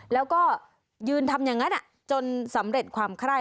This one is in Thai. แล้วก็ยืนทำอย่างนั้นจนสำเร็จความไคร้